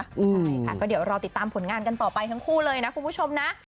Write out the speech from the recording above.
ใช่ค่ะก็เดี๋ยวรอติดตามผลงานกันต่อไปทั้งคู่เลยนะคุณผู้ชมนะ